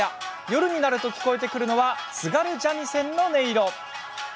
夜になると聞こえてくるのは津軽三味線の音色。